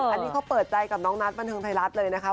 อันนี้เขาเปิดใจกับน้องนัทบันเทิงไทยรัฐเลยนะคะ